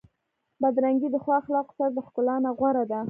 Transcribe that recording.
بدرنګي د ښو اخلاقو سره د ښکلا نه غوره ده.